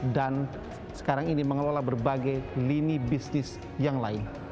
dan sekarang ini mengelola berbagai lini bisnis yang lain